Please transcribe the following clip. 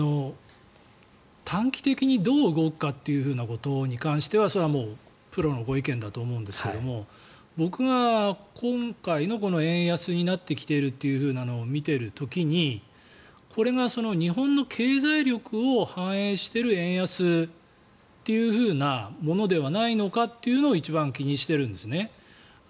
短期的にどう動くかということに関してはそれはもうプロのご意見だと思うんですが僕が今回の円安になってきているというのを見ている時にこれが日本の経済力を反映している円安というふうなものではないのかっていうのを一番気にしているんですね。